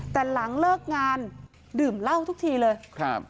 แต่หลังเลิกงานดื่มเหล้าทุกทีเลยครับ